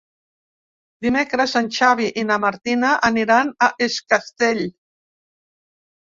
Dimecres en Xavi i na Martina aniran a Es Castell.